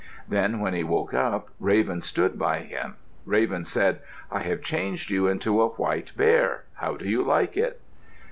Then when he woke up, Raven stood by him. Raven said, "I have changed you into a white bear. How do you like it?"